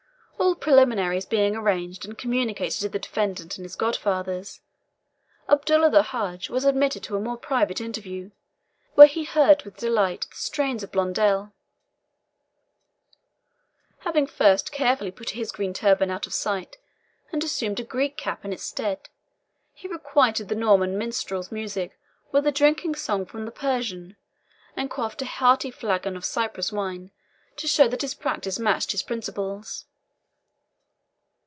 All preliminaries being arranged and communicated to the defendant and his godfathers, Abdullah the Hadgi was admitted to a more private interview, where he heard with delight the strains of Blondel. Having first carefully put his green turban out of sight, and assumed a Greek cap in its stead, he requited the Norman minstrel's music with a drinking song from the Persian, and quaffed a hearty flagon of Cyprus wine, to show that his practice matched his principles.